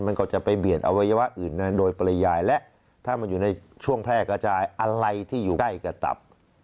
มันก็จะไปเบียดอวัยวะอื่นโดยปริยายและถ้ามันอยู่ในช่วงแพร่กระจายอะไรที่อยู่ใกล้กับตับ